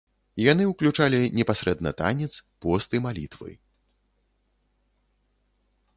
Яны ўключалі непасрэдна танец, пост і малітвы.